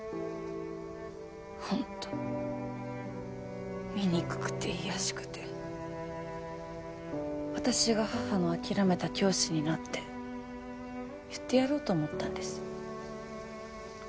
ホント醜くて卑しくて私が母の諦めた教師になって言ってやろうと思ったんです